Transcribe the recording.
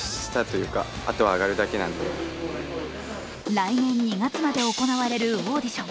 来年２月まで行われるオーディション。